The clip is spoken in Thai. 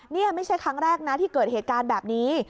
นี่ไม่ใช่ครั้งแรกนะที่เกิดเหตุการณ์แบบนี้